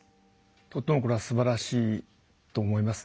とってもこれはすばらしいと思いますね。